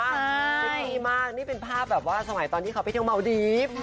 เซ็กซี่มากนี่เป็นภาพแบบว่าสมัยตอนที่เขาไปเที่ยวเมาดีฟ